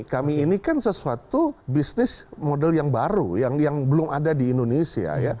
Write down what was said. kami ini kan sesuatu bisnis model yang baru yang belum ada di indonesia